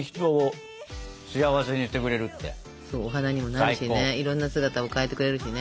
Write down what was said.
お花にもなるしねいろんな姿に変えてくれるしね。